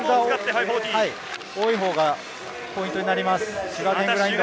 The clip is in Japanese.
多いほうがポイントになります。